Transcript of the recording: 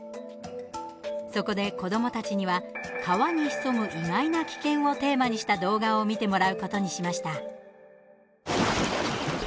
そこで子どもたちには川に潜む意外な危険をテーマにした動画を見てもらうことにしました。